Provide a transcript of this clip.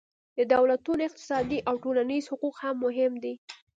د دولتونو اقتصادي او ټولنیز حقوق هم مهم دي